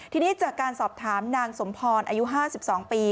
ทีนี้จากการสอบถามนางสมพรอายุ๕๒ปี